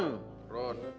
nah keras sikit